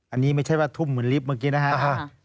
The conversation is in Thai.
อันนี้ไม่ใช่ว่าทุ่มเหมือนลิฟต์เมื่อกี้นะฮะ